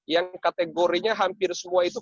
yang kategorinya hampir semua itu